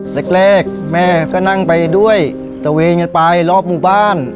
แรกแม่ก็นั่งไปด้วยตะเวนกันไปรอบหมู่บ้าน